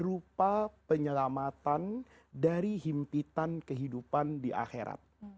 berupa penyelamatan dari himpitan kehidupan di akhirat